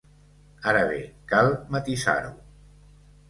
Ara bé, cal matisar-ho.